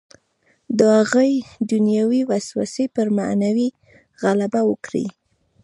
د هغوی دنیوي وسوسې پر معنوي غلبه وکړي.